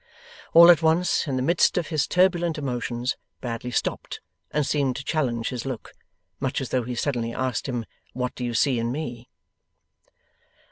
All at once, in the midst of his turbulent emotions, Bradley stopped and seemed to challenge his look. Much as though he suddenly asked him, 'What do you see in me?